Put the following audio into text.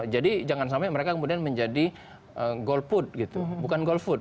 jadi jangan sampai mereka kemudian menjadi golput gitu bukan golfut